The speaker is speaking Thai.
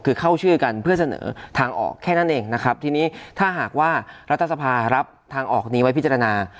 คือเข้าชื่อกันเพื่อเสนอทางออกแค่นั้นเองนะครับทีนี้ถ้าหากว่ารัฐสภารับทางออกนี้ไว้พิจารณา